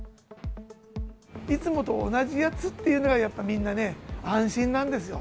いつもと同じやつっていうのが、やっぱみんなね、安心なんですよ。